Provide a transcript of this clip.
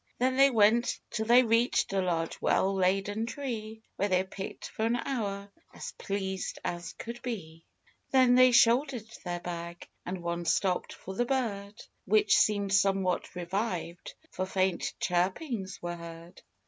75 Then they went till they reached a large, well laden tree, Where they picked for an hour, as pleased as could he ; Then they shouldered their hag, and one stopped for the bird, Which seemed somewhat revived, for faint chirp ings were heard.